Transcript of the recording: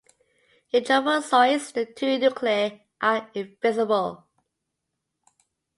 In trophozoites, the two nuclei are visible.